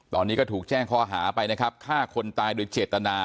ตอนนี้ก็ถูกแจ้งข้อหาไปนะครับฆ่าคนตายโดยเจตนา